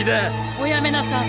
おやめなさんせ。